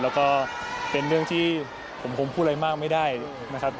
แล้วก็เป็นเรื่องที่ผมคงพูดอะไรมากไม่ได้นะครับ